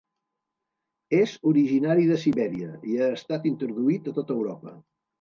És originari de Sibèria i ha estat introduït a tot Europa.